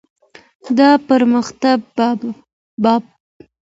د پرمختګ باب.